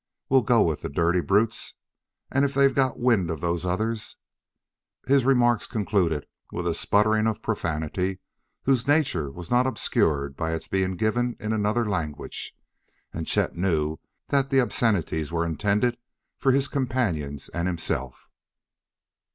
We'll go with the dirty brutes. And if they've got wind of those others " His remarks concluded with a sputtering of profanity whose nature was not obscured by its being given in another language. And Chet knew that the obscenities were intended for his companions and himself.